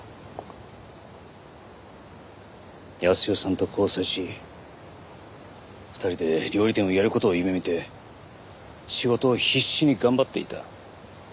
泰代さんと交際し２人で料理店をやる事を夢見て仕事を必死に頑張っていた。